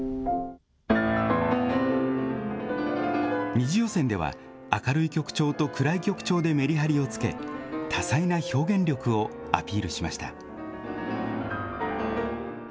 ２次予選では、明るい曲調と暗い曲調でめりはりをつけ、多彩な表現力をアピールしました。